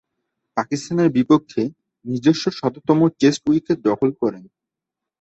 পাকিস্তানের বিপক্ষে নিজস্ব শততম টেস্ট উইকেট দখল করেন।